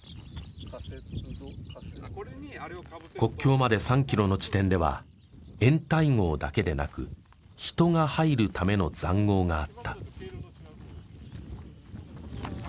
国境まで３キロの地点では掩体壕だけでなく人が入るための塹壕があった。